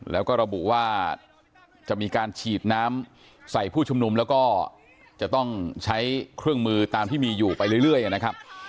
แล้วก็ระบุว่าจะมีการฉีดน้ำใส่ผู้ชุมนุมแล้วก็จะต้องใช้เครื่องมือตามที่มีอยู่ไปเรื่อยนะครับ